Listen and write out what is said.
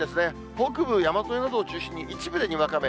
北部山沿いなどを中心に、一部でにわか雨。